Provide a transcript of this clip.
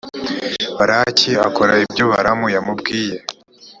balaki akora ibyo balamu yamubwiye.